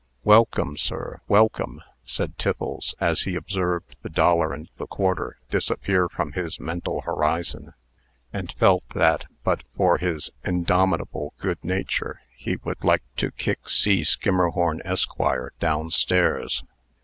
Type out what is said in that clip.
"Welcome, sir, welcome!" said Tiffles, as he observed the dollar and a quarter disappear from his mental horizon, and felt that, but for his indomitable good nature, he would like to kick C. Skimmerhorn, Esq., down stairs.